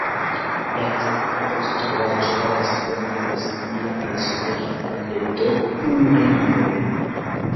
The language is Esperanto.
La centra konstruaĵo havas formon simila al sfera planedo kun ringoj.